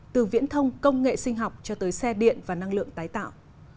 từ viễn thông công nghệ sinh học cho tới xe điện và năng lượng tái tạo